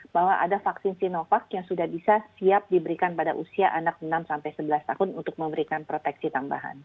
bahwa ada vaksin sinovac yang sudah bisa siap diberikan pada usia anak enam sebelas tahun untuk memberikan proteksi tambahan